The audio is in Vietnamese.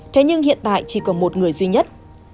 thế nhưng hiện tại chỉ còn một người duy nhất